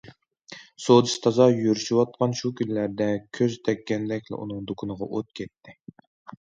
سودىسى تازا يۈرۈشۈۋاتقان شۇ كۈنلەردە، كۆز تەگكەندەكلا ئۇنىڭ دۇكىنىغا ئوت كەتتى.